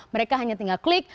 mereka hanya tinggal klik